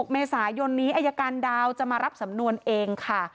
เมษายนนี้อายการดาวจะมารับสำนวนเองค่ะ